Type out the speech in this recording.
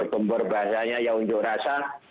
tempur tempur bahasanya ya unjuk rasa